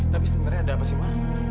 tapi sebenarnya ada apa sih ma